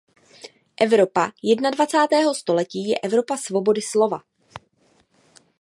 Evropa jedenadvacátého století je Evropa svobody slova.